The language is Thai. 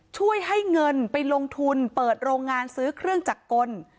ช่วยให้เงินไปลงทุนเปิดโรงงานซื้อเครื่องจักรกล